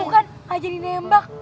itu kan aja di nembak